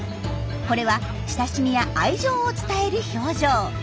これは親しみや愛情を伝える表情。